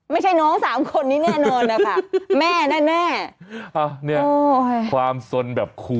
ไม่ใช่น้อง๓คนนี้แน่นอนนะคะแม่แน่